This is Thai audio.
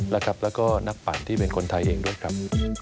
แล้วก็นักปั่นที่เป็นคนไทยเองด้วยครับ